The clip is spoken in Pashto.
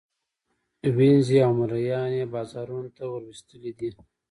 وینزې او مرییان یې بازارانو ته وروستلي دي.